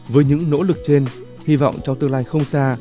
với những nỗ lực trên hy vọng trong tương lai không xa